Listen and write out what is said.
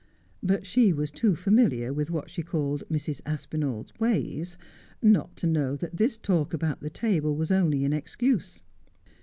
But she was too familiar with what she called ' Mrs. Aspinall's ways ' not to know that this talk about the table was only an excuse.